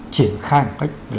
triển khai một cách